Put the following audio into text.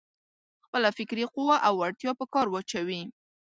خپله فکري قوه او وړتيا په کار واچوي.